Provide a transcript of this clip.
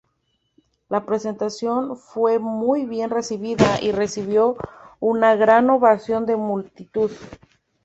La presentación fue muy bien recibida y recibió una gran ovación de la multitud.